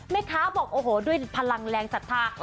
แม่ค้าบอกโอ้โหด้วยพลังแรงศรัทธา